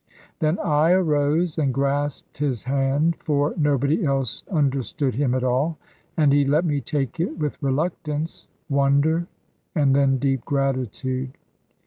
Then I arose and grasped his hand for nobody else understood him at all and he let me take it with reluctance, wonder, and then deep gratitude.